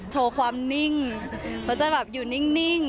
โชคความนิ่งแล้วจะอยู่นิ่ง